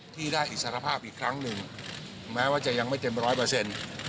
ที่ได้อิสรภาพอีกครั้งหนึ่งแม้ว่าจะยังไม่เต็มร้อยเปอร์เซ็นต์